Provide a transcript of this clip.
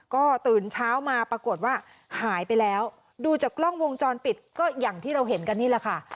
ก็ตื่นเช้ามาปรากฏว่าหายไปแล้วดูจากกล้องวงจรปิดก็อย่างที่เราเห็นกันนี่แหละค่ะ